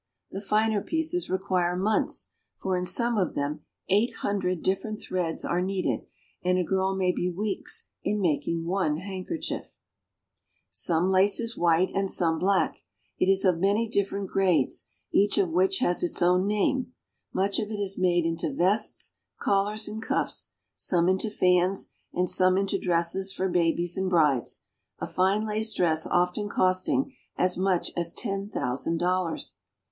The finer pieces require months, for in some of them eight hundred different threads are needed, and a girl may be weeks in making one handkerchief. A Brussels Milk Cart. Some lace is white and some black. It is of many dif ferent grades, each of which has its own name. Much of it is made into vests, collars, and cuffs, some into fans, and some into dresses for babies and brides, a fine lace dress often costing as much as ten thousand dollars.